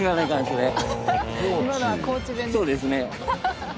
そうですね。